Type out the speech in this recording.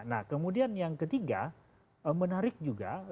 nah kemudian yang ketiga menarik juga